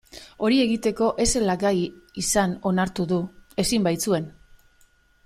Hori egiteko ez zela gai izan onartu du, ezin baitzuen.